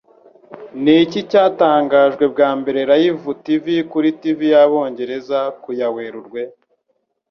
Niki Cyatangajwe Bwa mbere Live Kuri Tv Yabongereza Ku ya Werurwe